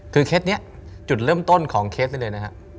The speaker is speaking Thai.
คือเคสนี้จุดเริ่มต้นของเคสนี้เลยนะฮะ